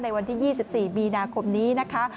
วันที่๒๔มีนาคมนี้นะคะ